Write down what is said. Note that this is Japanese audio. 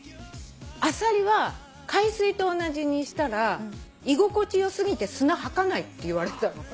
「アサリは海水と同じにしたら居心地よすぎて砂吐かない」って言われたの。